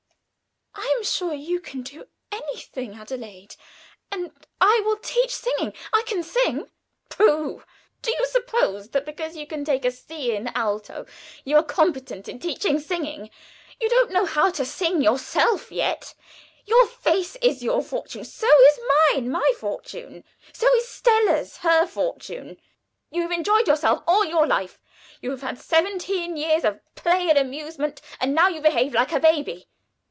"I am sure you can do anything, Adelaide, and I will teach singing. I can sing." "Pooh! Do you suppose that because you can take C in alt. you are competent to teach singing? You don't know how to sing yourself yet. Your face is your fortune. So is mine my fortune. So is Stella's her fortune. You have enjoyed yourself all your life; you have had seventeen years of play and amusement, and now you behave like a baby.